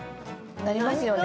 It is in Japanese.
なりますよね。